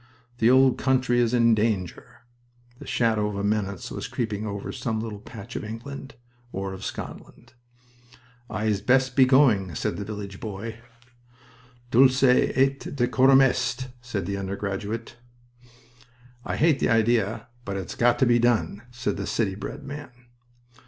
"The old country is in danger!" The shadow of a menace was creeping over some little patch of England or of Scotland. "I's best be going," said the village boy. "'Dulce et decorum est '" said the undergraduate. "I hate the idea, but it's got to be done," said the city bred man.